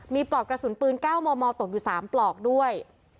มีปลอกกระสุนปืน๙มมตกอยู่๓ปลอกด้วย